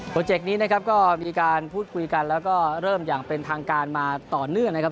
เจกต์นี้นะครับก็มีการพูดคุยกันแล้วก็เริ่มอย่างเป็นทางการมาต่อเนื่องนะครับ